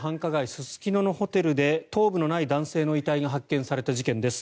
すすきののホテルで頭部のない男性の遺体が発見された事件です。